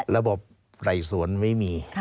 ระบบไต่สวนไม่มี